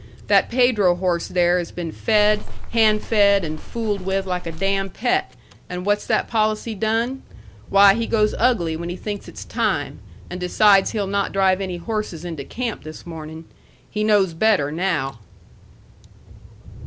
That Pedro horse there has been fed, hand fed, and fooled with like a damn pet, and what's that policy done? Why, he goes ugly when he thinks it's time, and decides he'll not drive any horses into camp this morning. He knows better now."